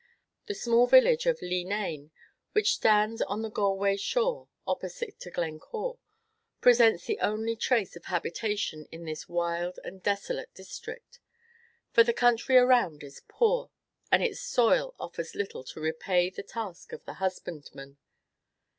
The small village of Leenane, which stands on the Galway shore, opposite to Glencore, presents the only trace of habitation in this wild and desolate district, for the country around is poor, and its soil offers little to repay the task of the husbandman.